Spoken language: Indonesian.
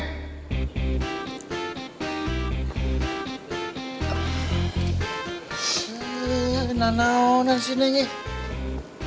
gak ada apa apa sih nih